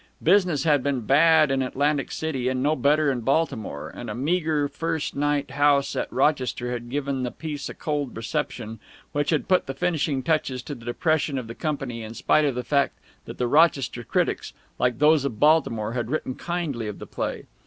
Business had been bad in Atlantic City and no better in Baltimore, and a meagre first night house at Rochester had given the piece a cold reception, which had put the finishing touches to the depression of the company in spite of the fact that the Rochester critics, like those of Baltimore, had written kindly of the play.